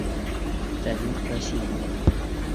Фәннүр Ҡасимова!